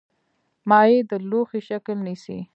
مایع د لوښي شکل نیسي.